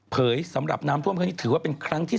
สำหรับน้ำท่วมครั้งนี้ถือว่าเป็นครั้งที่๓